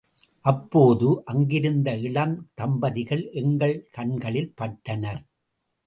அப்போது அங்கிருந்த இளந்தம்பதிகள் எங்கள் கண்களில் பட்டனர்.